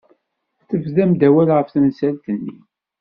Tebdam-d awal ɣef temsalt-nni.